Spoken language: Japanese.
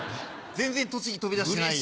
全然栃木飛び出してないよ。